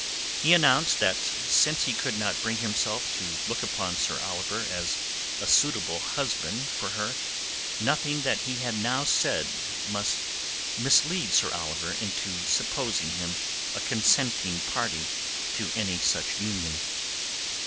He announced that since he could not bring himself to look upon Sir Oliver as a suitable husband for her, nothing that he had now said must mislead Sir Oliver into supposing him a consenting party to any such union.